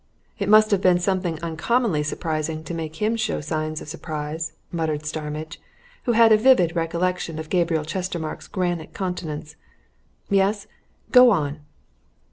"It must have been something uncommonly surprising to make him show signs of surprise!" muttered Starmidge, who had a vivid recollection of Gabriel Chestermarke's granite countenance. "Yes? go on."